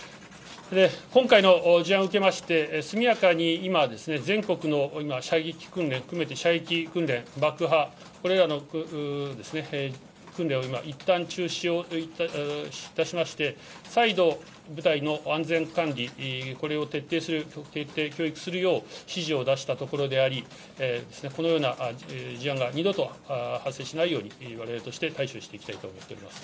今回の事案を受けまして、速やかに今、全国の今、射撃訓練を含めて、射撃訓練、爆破、これらの訓練を今、いったん中止をいたしまして、再度、部隊の安全管理、これを徹底教育するよう指示を出したところであり、このような事案が二度と発生しないように、われわれとして対処していきたいと思っております。